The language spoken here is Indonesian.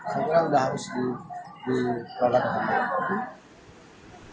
saya kira sudah harus diperolakan